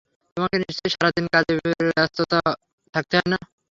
তোমাকে নিশ্চয়ই সারাদিন কাজে ব্যস্ত থাকতে হয় না?